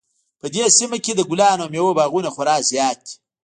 په دې سیمه کې د ګلانو او میوو باغونه خورا زیات دي